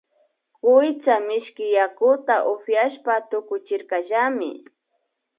Kuytsa mishki yakuta upiashpa tukuchirkallami